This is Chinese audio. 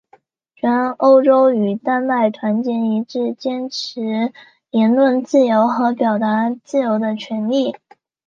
全欧洲与丹麦团结一致坚持言论自由和表达自由的权利。